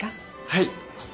はい。